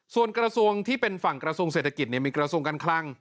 ส่วนกระทรวงที่เป็นฝั่งกระทรวงเศรษฐกิจมีกระทรวงการคลัง